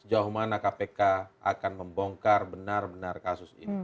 sejauh mana kpk akan membongkar benar benar kasus ini